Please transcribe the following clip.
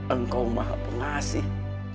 engkau maha pengasih